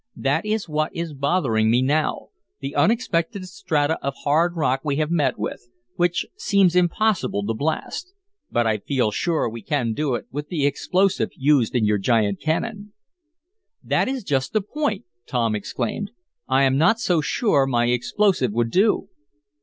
That is what is bothering me now the unexpected strata of hard rock we have met with, which seems impossible to blast. But I feel sure we can do it with the explosive used in your giant cannon." "That is just the point!" Tom exclaimed. "I am not so sure my explosive would do."